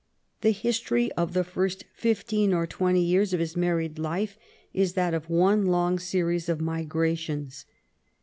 The history of the first fifteen or twenty years of his married life is that of one long series of migrations.